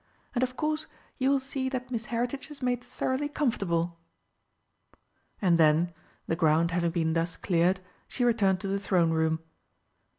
"And of course you will see that Miss Heritage is made thoroughly comfortable." And then, the ground having been thus cleared, she returned to the Throne Room.